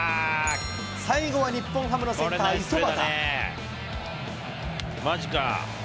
最後は日本ハムのセンター、五十幡。